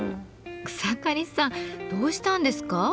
草刈さんどうしたんですか？